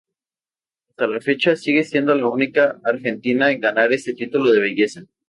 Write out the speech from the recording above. Hasta la fecha, sigue siendo la única argentina en ganar este título de belleza.